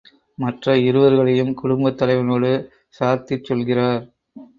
மற்ற இருவர்களையும் குடும்பத் தலைவனோடு சார்த்திச் சொல்கிறார்.